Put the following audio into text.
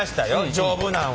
丈夫なんは。